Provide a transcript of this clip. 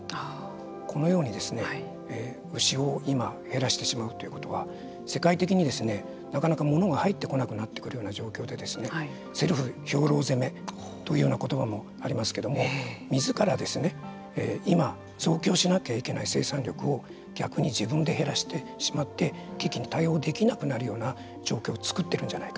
このようにですね牛を今減らしてしまうということは世界的にですねなかなかものが入ってこなくなってくるような状況でセルフ兵糧攻めというような言葉もありますけどもみずから今増強しなきゃいけない生産力を逆に自分で減らしてしまって対応できなくなるような状況を作っているんじゃないか。